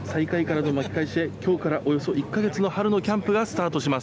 きょうから、およそ１か月の春のキャンプがスタートします。